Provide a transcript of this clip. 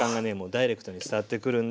ダイレクトに伝わってくるんで。